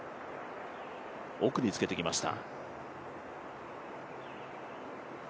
奥につけてきました。